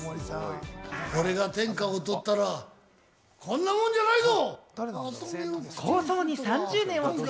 俺が天下を取ったら、こんなもんじゃないぞ！